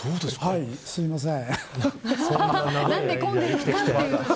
すいません。